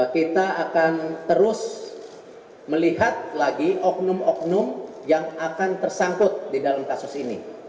kita akan terus melihat lagi oknum oknum yang akan tersangkut di dalam kasus ini